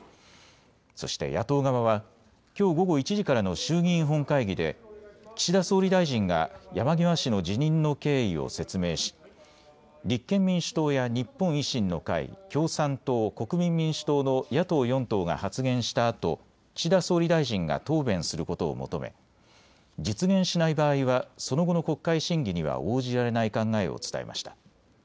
そして野党側はきょう午後１時からの衆議院本会議で岸田総理大臣が山際氏の辞任の経緯を説明し立憲民主党や日本維新の会、共産党、国民民主党の野党４党が発言したあと、岸田総理大臣が答弁することを求め実現しない場合はその後の国会審議には応じられない考えを伝えました。